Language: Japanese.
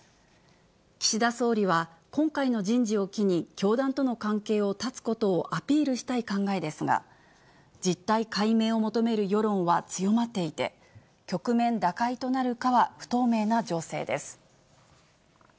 岸田総理は、今回の人事を機に、教団との関係を断つことをアピールしたい考えですが、実態解明を求める世論は強まっていて、局面打開となるかは不透明な情勢です。